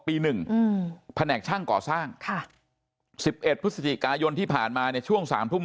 ๑แผนกช่างก่อสร้าง๑๑พฤศจิกายนที่ผ่านมาเนี่ยช่วง๓ทุ่ม